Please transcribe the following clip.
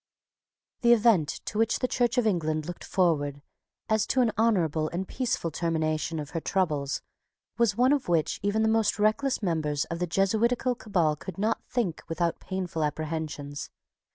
The event to which the Church of England looked forward as to an honourable and peaceful termination of her troubles was one of which even the most reckless members of the Jesuitical cabal could not think without painful apprehensions.